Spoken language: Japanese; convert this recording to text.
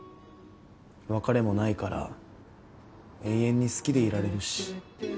別れもないから永遠に好きでいられるし。